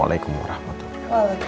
waalaikumsalam warahmatullah wabarakatuh